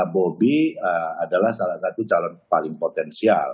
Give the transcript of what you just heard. bobi adalah salah satu calon paling potensial